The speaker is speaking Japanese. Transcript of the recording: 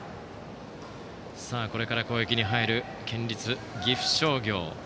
これから攻撃に入る県立岐阜商業。